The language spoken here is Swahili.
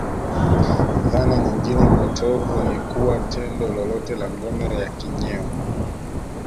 Dhana nyingine potovu ni kuwa tendo lolote la ngono ya kinyeo